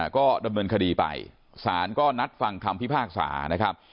ก็ดำเนินคดีไปสารก็นัดฟังคำพิพากษานะครับ